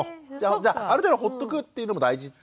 じゃある程度ほっとくっていうのも大事っていう。